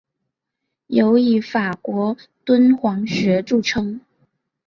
尤以法国敦煌学着称。